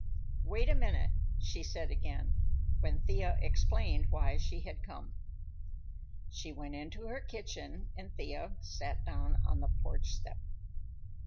"Wait a minute," she said again, when Thea explained why she had come. She went into her kitchen and Thea sat down on the porch step.